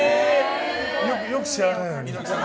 よく知らないのに。